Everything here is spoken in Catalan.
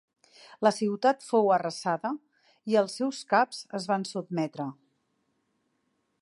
La ciutat fou arrasada i els seus caps es van sotmetre.